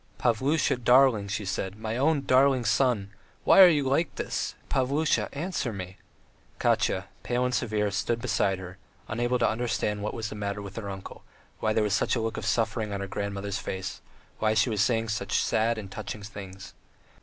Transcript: "Pavlusha, darling," she said; "my own, my darling son! ... Why are you like this? Pavlusha, answer me!" Katya, pale and severe, stood beside her, unable to understand what was the matter with her uncle, why there was such a look of suffering on her grandmother's face, why she was saying such sad and touching things.